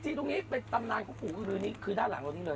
จริงตรงนี้เป็นตำนานของปู่อือลือนี้คือด้านหลังตรงนี้เลย